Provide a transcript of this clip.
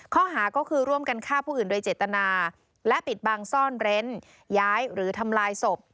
ข้อหาก็คือร่วมกันฆ่าผู้อื่นโดยเจตนาและปิดบังซ่อนเร้นย้ายหรือทำลายศพ